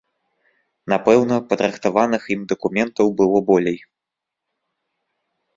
Напэўна, падрыхтаваных ім дакументаў было болей.